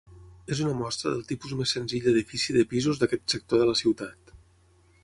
És una mostra del tipus més senzill d'edifici de pisos d'aquest sector de la ciutat.